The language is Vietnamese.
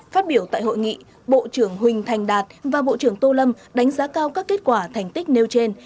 phát biểu tại hội nghị bộ trưởng huỳnh thành đạt và bộ trưởng tô lâm đánh giá cao các kết quả thành tích nêu trên